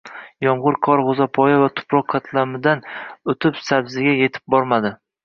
Yomgʻir-qor gʻoʻzapoya va tuproq qatlamidan oʻtib sabziga yetib bormaydi.